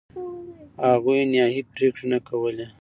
هغوی نهایي پرېکړې نه کولې.